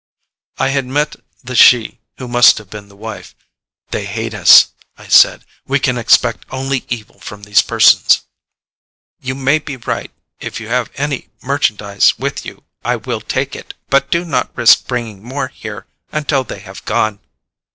I had met the she who must have been the wife. "They hate us," I said. "We can expect only evil from these persons." "You may be right. If you have any merchandise with you, I will take it, but do not risk bringing more here until they have gone."